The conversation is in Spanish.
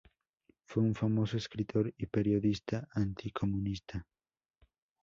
Fue un famoso escritor y periodista anticomunista.